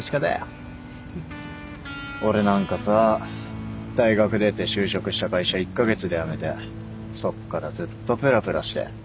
俺なんかさ大学出て就職した会社１カ月で辞めてそっからずっとプラプラして